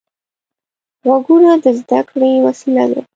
غوږونه د زده کړې وسیله ده